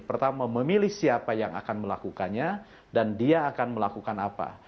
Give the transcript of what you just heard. pertama memilih siapa yang akan melakukannya dan dia akan melakukan apa